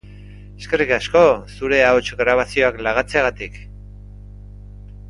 Eskerrik asko zure ahots-grabazioak lagatzeagatik!